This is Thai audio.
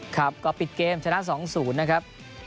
ครับก็ปิดเกมชนะ๒๐นะครับ